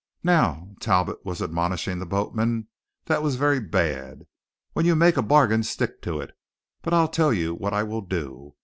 "Now," Talbot was admonishing the boatman, "that was very bad. When you make a bargain, stick to it. But I'll tell you what I will do.